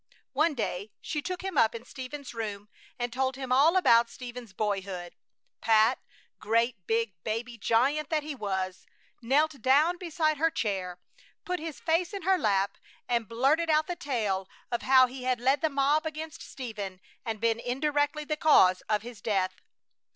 One day she took him up in Stephen's room and told him all about Stephen's boyhood. Pat, great big, baby giant that he was, knelt down beside her chair, put his face in her lap, and blurted out the tale of how he had led the mob against Stephen and been indirectly the cause of his death.